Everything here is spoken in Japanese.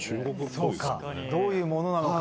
「そうかどういうものなのか」